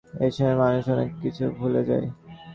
এই সময়ে মানুষ অনেক কিছু ভুলে যায়।